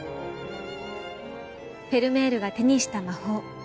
フェルメールが手にした魔法。